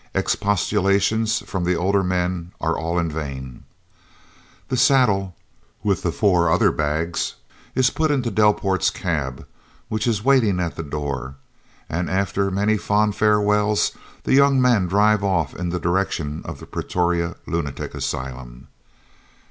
Expostulations from the older men are all in vain. The saddle, with the four other bags, is put into Delport's cab, which is waiting at the door, and, after many fond farewells, the young men drive off in the direction of the Pretoria Lunatic Asylum.